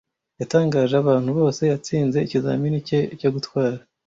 Yatangaje abantu bose yatsinze ikizamini cye cyo gutwara.